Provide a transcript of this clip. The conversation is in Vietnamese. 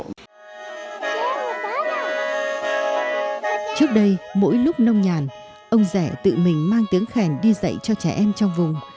trước đây mỗi lúc nông nhàn ông rẻ tự mình mang tiếng khen đi dạy cho trẻ em trong vùng